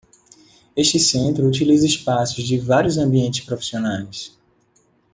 Este centro utiliza espaços de vários ambientes profissionais.